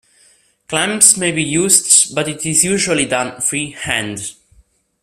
Clamps may be used but it is usually done freehand.